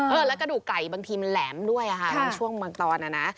เออแล้วกระดูกไก่บางทีมันแหลมด้วยช่วงเมืองตอน